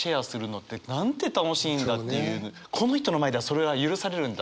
この人の前ではそれは許されるんだ